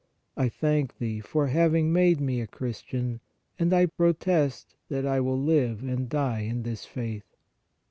I thank Thee for having made me a Christian, and I protest that I will live and die in this faith.